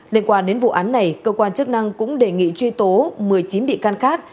liên quan đến vụ án này cơ quan chức năng cũng đề nghị truy tố một mươi chín bị can khác